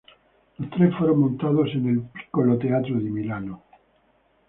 Los tres fueron montados en el Piccolo Teatro di Milano.